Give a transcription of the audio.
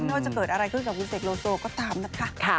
ไม่ว่าจะเกิดอะไรขึ้นกับคุณเสกโลโซก็ตามนะคะ